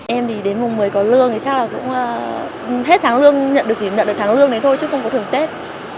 em thì đến mùng một mươi có lương thì chắc là cũng hết tháng lương nhận được chỉ nhận được tháng lương đấy thôi chứ không có thưởng tết